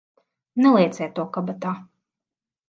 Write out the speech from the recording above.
Nelieciet to kabatā!